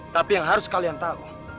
tapi yang harus kalian tahu